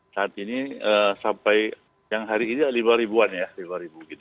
saat ini sampai yang hari ini lima ribuan ya